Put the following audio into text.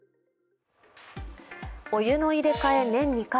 お湯の入れ替え年２回。